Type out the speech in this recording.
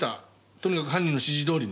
とにかく犯人の指示通りに。